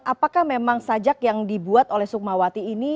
apakah memang sajak yang dibuat oleh sukmawati ini